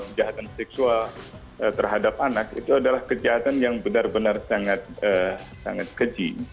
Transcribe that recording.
kejahatan seksual terhadap anak itu adalah kejahatan yang benar benar sangat keji